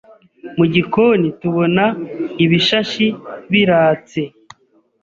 mu gikoni tubona ibishashi biratse